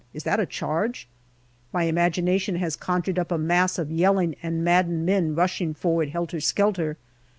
Is that a charge ? My imagination had conjured up a mass of yelling and maddened men rushing forward helter skelter.